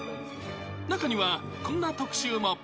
中には、こんな特集も。